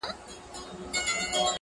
د بشر په نوم ياديږي -